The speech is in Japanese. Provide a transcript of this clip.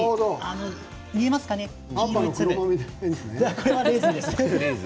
これはレーズンです。